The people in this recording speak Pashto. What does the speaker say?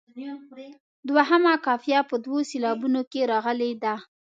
دوهمه قافیه په دوو سېلابونو کې راغلې ده.